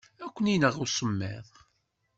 Ad ken-ineɣ usemmiḍ.